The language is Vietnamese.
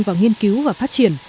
vào nghiên cứu và phát triển